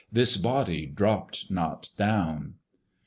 This body dropt not down.